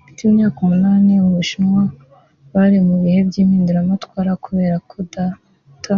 Mfite imyaka umunani mu Bushinwa bari mu bihe by impinduramatwara Kubera ko data